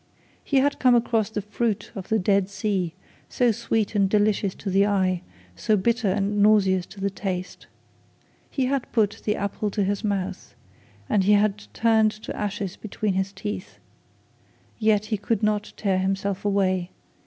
He had come across the fruits of the Dead Sea, so sweet and delicious to the eye, so bitter and nauseous to the taste. He had put the apple to his mouth, and it had turned to ashes between his teeth. Yet he could not tear himself away.